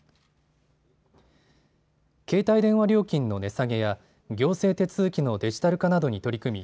携帯電話料金の値下げや行政手続きのデジタル化などに取り組み